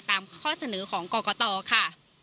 ข้อเสนอของกรกตค่ะ